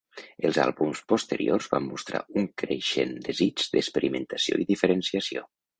Els àlbums posteriors van mostrar un creixent desig d'experimentació i diferenciació.